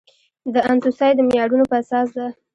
د انتوسای د معیارونو په اساس ده.